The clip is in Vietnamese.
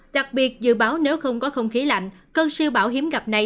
đặc biệt dự báo nếu không có không khí lạnh cơn siêu bão hiếm gặp này